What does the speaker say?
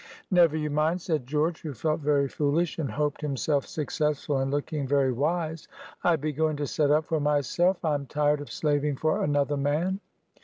"Never you mind," said George, who felt very foolish, and hoped himself successful in looking very wise; "I be going to set up for myself; I'm tired of slaving for another man."